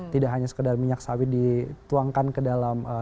tidak hanya sekedar minyak sawit dituangkan ke dalam